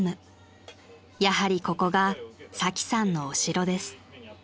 ［やはりここがサキさんのお城です］